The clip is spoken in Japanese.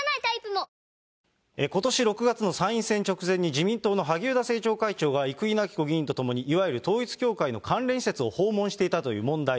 自民党の萩生田政調会長が生稲晃子議員と共にいわゆる統一教会の関連施設を訪問していたという問題。